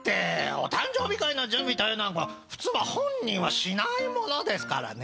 お誕生日会の準備というのは普通は本人はしないものですからね。